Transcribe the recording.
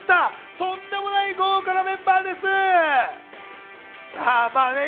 とんでもない豪華なメンバーです。